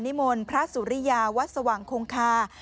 มนต์พระสุริยาวัดสว่างคงคา